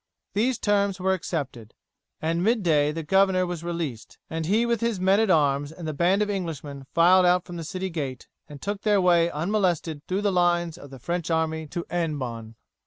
These terms were accepted. At mid day the governor was released, and he with his men at arms and the band of Englishmen filed out from the city gate, and took their way unmolested through the lines of the French army to Hennebon.